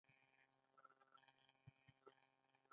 په تمځای کي یو ساعت ودریدم او منتظر وم.